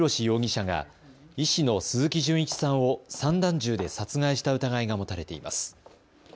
容疑者が医師の鈴木純一さんを散弾銃で殺害した疑いが持たれています。